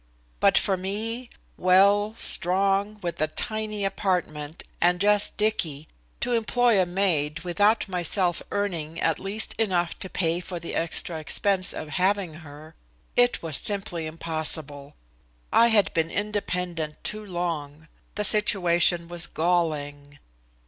But for me, well, strong, with a tiny apartment, and just Dicky, to employ a maid without myself earning at least enough to pay for the extra expense of having her it was simply impossible. I had been independent too long. The situation was galling.